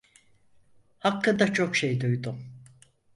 Hakkında çok şey duydum.